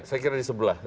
saya kira di sebelah